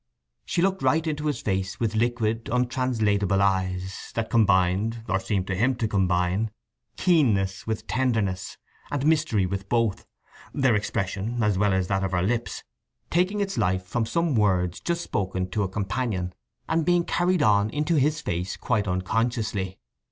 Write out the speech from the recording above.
She looked right into his face with liquid, untranslatable eyes, that combined, or seemed to him to combine, keenness with tenderness, and mystery with both, their expression, as well as that of her lips, taking its life from some words just spoken to a companion, and being carried on into his face quite unconsciously.